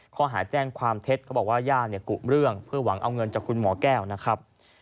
ข้อหาแจ้งความเท็จเขาบอกว่าย่าเนี่ยกุเรื่องเพื่อหวังเอาเงินจากคุณหมอแก้วนะครับ